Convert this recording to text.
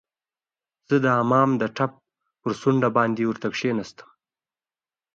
زه د حمام د ټپ پر څنډه باندې ورته کښیناستم.